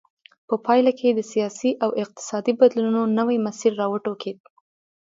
په پایله کې د سیاسي او اقتصادي بدلونونو نوی مسیر را وټوکېد.